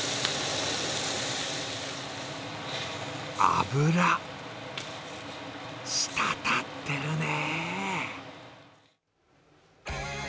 脂、したたってるね。